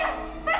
pergi kalian pergi